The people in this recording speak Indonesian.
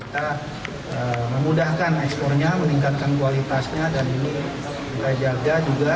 kita memudahkan ekspornya meningkatkan kualitasnya dan ini kita jaga juga